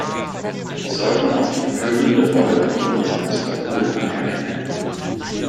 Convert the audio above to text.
Wir sollten auch die führende Rolle von Bundeskanzler Kohl anerkennen.